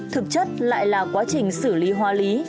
thực chất lại là quá trình xử lý hóa lý